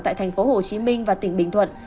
tại thành phố hồ chí minh và tỉnh bình thuận